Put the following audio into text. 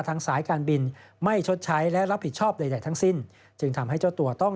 สายการบินไม่ชดใช้และรับผิดชอบใดทั้งสิ้นจึงทำให้เจ้าตัวต้อง